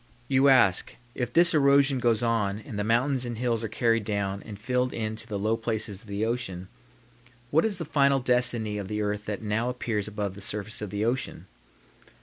You ask, If this erosion goes on and the mountains and hills are carried down and filled in to the low places of the ocean, what is the final destiny of the earth that now appears above the surface of the ocean?